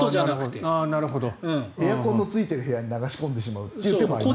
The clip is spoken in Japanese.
エアコンのついている部屋に流し込んでしまうという手もあります。